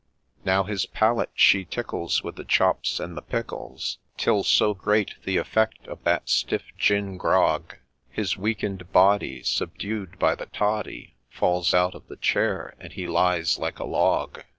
Now his palate she tickles with the chops and the pickles, Till, so great the effect of that stiff gin grog, His weaken'd body, subdued by the toddy, Falls out of the chair, and he lies like a log.